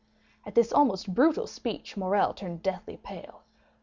At this almost brutal speech Morrel turned deathly pale.